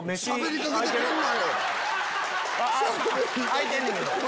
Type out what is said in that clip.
空いてねんけど。